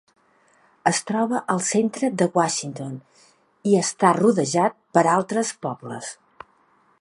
Es troba al centre de Washington i està rodejat per altres pobles.